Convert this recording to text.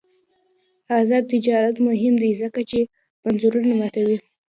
آزاد تجارت مهم دی ځکه چې مرزونه ماتوي.